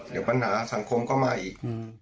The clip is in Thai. เดี๋ยวปัญหาสังคมก็มาอีก